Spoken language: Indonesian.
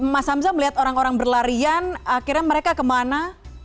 mas hamzah melihat orang orang berlarian akhirnya mereka kemana